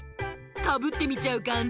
かぶってみちゃうかんじ？